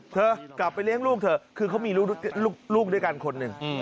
เธอกลับไปเลี้ยงลูกเถอะคือเขามีลูกด้วยกันคนหนึ่ง